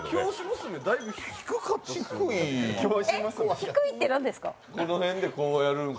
えっ、低いって何ですか？